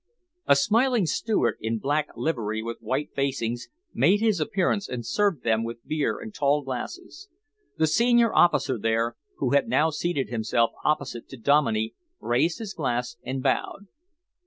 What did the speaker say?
A smiling steward, in black livery with white facings, made his appearance and served them with beer in tall glasses. The senior officer there, who had now seated himself opposite to Dominey, raised his glass and bowed.